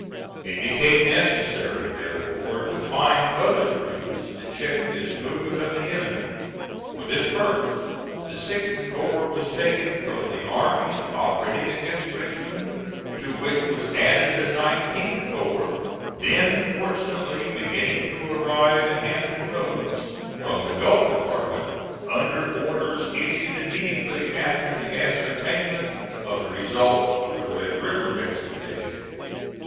It became necessary, therefore, to find other troops to check this movement of the enemy. For this purpose the 6th corps was taken from the armies operating against Richmond, to which was added the 19th corps, then fortunately beginning to arrive in Hampton Roads from the Gulf Department, under orders issued immediately after the ascertainment of the result of the Red River expedition.